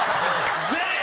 全員。